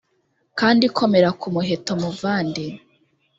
kandi komera kumuheto muvandi